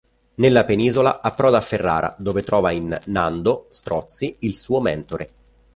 Nella penisola approda a Ferrara dove trova in "Nando" Strozzi il suo mentore.